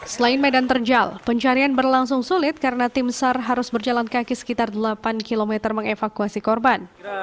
selain medan terjal pencarian berlangsung sulit karena tim sar harus berjalan kaki sekitar delapan km mengevakuasi korban